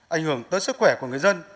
ảnh hưởng tới sức khỏe của người dân